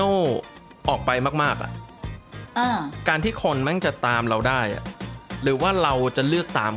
ออกไปมากการที่คนแม่งจะตามเราได้หรือว่าเราจะเลือกตาม